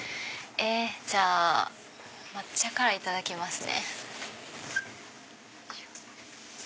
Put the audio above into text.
じゃあ抹茶からいただきますね。